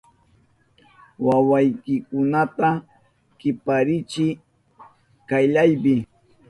¡Wawaykikunata kiparichiy kayllapi!